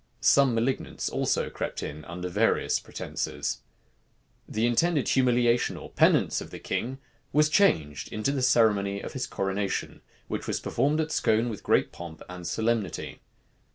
Some malignants also crept in under various pretences. The intended humiliation or penance of the king was changed into the ceremony of his coronation, which was performed at Scone with great pomp and solemnity.